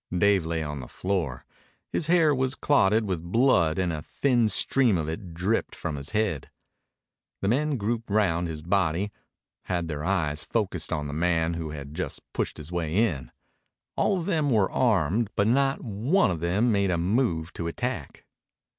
Dave lay on the floor. His hair was clotted with blood and a thin stream of it dripped from his head. The men grouped round his body had their eyes focused on the man who had just pushed his way in. All of them were armed, but not one of them made a move to attack.